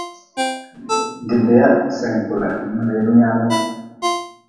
Bebea sen kule n rim nyaalm.